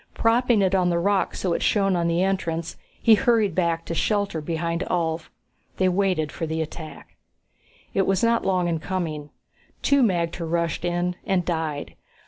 Propping it on the rocks so it shone on the entrance, he hurried back to shelter beside Ulv. They waited for the attack. It was not long in coming. Two magter rushed in, and died.